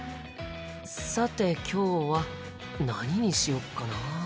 さて今日は何にしよっかな。